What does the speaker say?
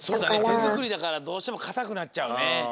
てづくりだからどうしてもかたくなっちゃうね。